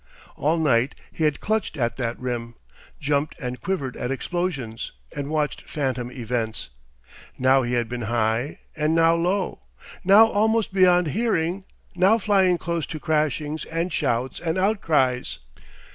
All night he had clutched at that rim, jumped and quivered at explosions, and watched phantom events. Now he had been high and now low; now almost beyond hearing, now flying close to crashings and shouts and outcries.